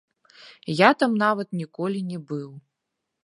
Я там нават ніколі не быў.